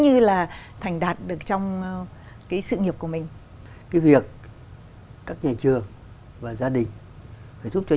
như là thành đạt được trong cái sự nghiệp của mình cái việc các nhà trường và gia đình phải giúp cho